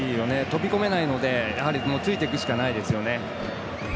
飛び込めないのでついていくしかないですよね。